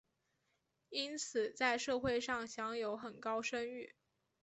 因此在社会上享有很高声誉。